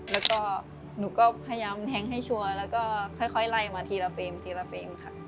แล้วก็หนูก็พยายามแทงให้ชัวร์แล้วก็ค่อยไล่มาทีละเฟรมทีละเฟรมค่ะ